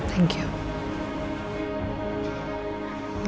ya terima kasih